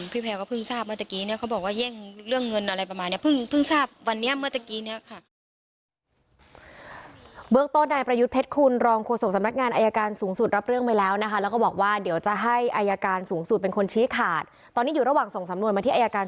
พี่แพลก็เพิ่งทราบเมื่อเมื่อกี้เขาบอกว่าแย่งเรื่องเงินอะไรประมาณนี้